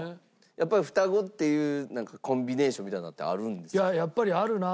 やっぱり双子っていうなんかコンビネーションみたいなのってあるんですか？